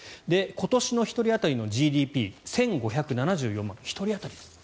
今年の１人当たりのＧＤＰ１５７４万１人当たりです。